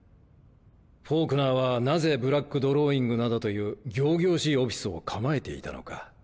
フォークナーはなぜブラック・ドローイングなどという仰々しいオフィスを構えていたのか。